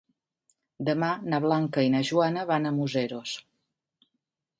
Demà na Blanca i na Joana van a Museros.